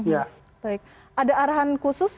baik ada arahan khusus